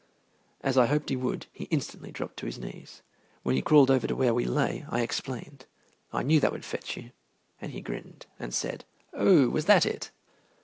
As I hoped he would, he instantly dropped to his knees. When he crawled over to where we lay, I explained, "I knew that would fetch you," and he grinned, and said, "Oh, was that it?"